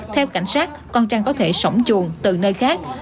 theo cảnh sát con trăng có thể sổng chuồng từ nơi khác